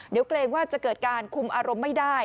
เดี๋ยวเกรงว่าจะเกิดการคุมอารมณ์ไม่ได้